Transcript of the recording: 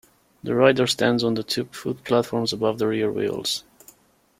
The rider stands on the two foot platforms above the rear wheels.